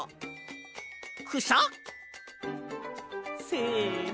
せの。